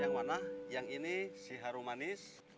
yang mana yang ini si haru manis